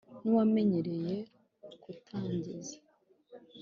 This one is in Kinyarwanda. ni uwamenyereye kutangiza